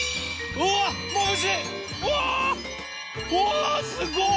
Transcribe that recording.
うわすごい！